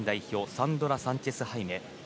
サンドラ・サンチェス・ハイメ。